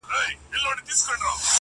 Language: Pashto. • له لېوه سره په پټه خوله روان سو -